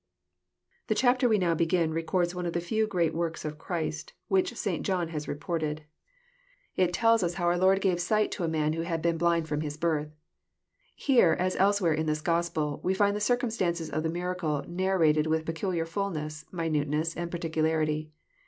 The chapter we now begin records one of the few great works of Christ whicli St. John has reported. It tell us how our JOHN, CHAP. IX» 135 Lord gave sight to a man who had been ^' blind from his birth." Here, as elsewhere in this Gospel, we find the circumstances of the miracle narrated with peculiar fulness, minuteness, and particularity.